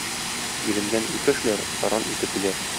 Иренгән ике эшләр, саран ике түләр.